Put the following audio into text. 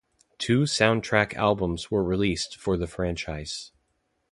Two soundtrack albums were released for the franchise.